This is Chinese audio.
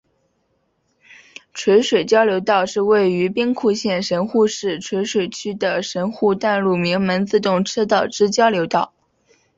垂水交流道是位于兵库县神户市垂水区的神户淡路鸣门自动车道之交流道。